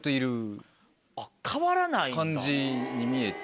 感じに見えて。